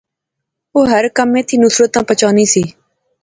او ہر کمے تھی نصرتا بچانی سی